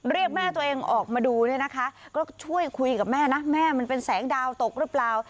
เรียกแม่ตัวเองออกมาดูเนี่ยนะคะก็ช่วยคุยกับแม่นะแม่มันเป็นแสงดาวตกหรือเปล่า